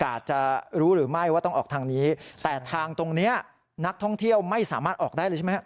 อาจจะรู้หรือไม่ว่าต้องออกทางนี้แต่ทางตรงเนี้ยนักท่องเที่ยวไม่สามารถออกได้เลยใช่ไหมฮะ